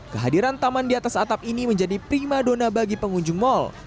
kehadiran taman di atas atap ini menjadi prima dona bagi pengunjung mal